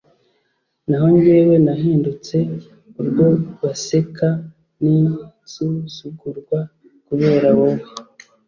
naho jyewe nahindutse urwo baseka n'insuzugurwa kubera wowe